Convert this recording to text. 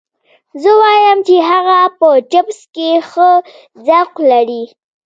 زه وایم چې هغه په چپس کې ښه ذوق لري